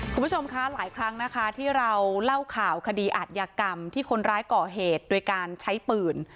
คุณผู้ชมคะหลายครั้งนะคะที่เราเล่าข่าวคดีอาทยากรรมที่คนร้ายก่อเหตุโดยการใช้ปืน